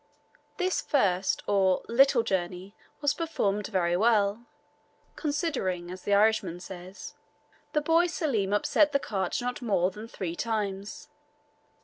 This first, or "little journey," was performed very well, "considering," as the Irishman says. The boy Selim upset the cart not more than three times.